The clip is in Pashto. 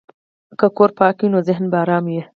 که کور پاک وي، نو ذهن به ارام وي.